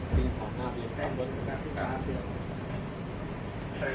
สวัสดีครับทุกคน